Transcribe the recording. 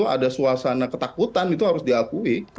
ada suasana ketakutan itu harus diakui